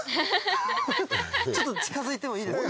ちょっと近づいてもいいですか？